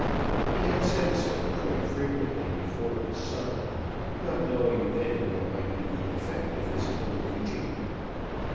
He had said so very frequently before his son, not knowing then what might be the effect of his own teaching.